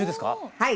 はい！